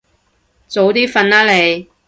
早啲瞓啦你